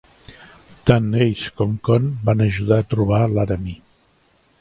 Tant Ace com Con van ajudar a trobar Laramie.